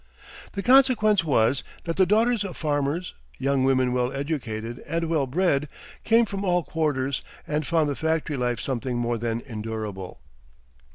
The consequence was that the daughters of farmers, young women well educated and well bred, came from all quarters, and found the factory life something more than endurable.